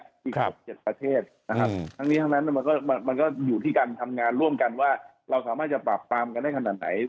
ครับ๗ประเทศนะครับว่ามันก็อยู่ที่การทำงานร่วมกันว่าเราสามารถจะปรับตามกันได้ขนาดไหน